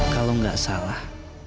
kalau gak salah